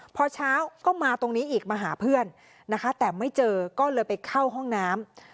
พอเช้าก็มาตรงนี้อีกมาหาเพื่อนนะคะแต่ไม่เจอก็เลยไปเข้าห้องน้ำ